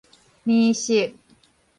奶昔